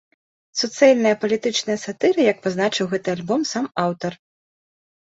Суцэльная палітычная сатыра, як пазначыў гэты альбом сам аўтар.